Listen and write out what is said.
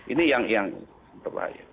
ini yang terbahaya